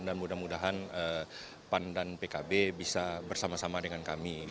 dan mudah mudahan pan dan pkb bisa bersama sama dengan kami